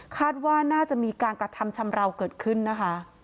คาดว่าน่าจะมีการกระทำชำราวเกิดขึ้นนะคะ